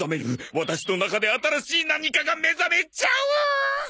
ワタシの中で新しい何かが目覚めちゃう！